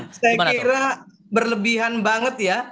saya kira berlebihan banget ya